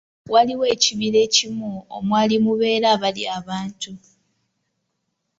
Waliwo ekibira ekimu omwali mubeera abalya abantu.